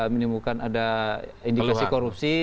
menemukan ada indikasi korupsi